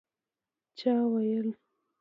چا ویل